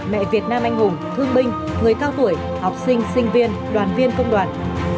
mẹ việt nam anh hùng thương binh người cao tuổi học sinh sinh viên đoàn viên công đoàn